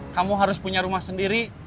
kamu harus punya rumah sendiri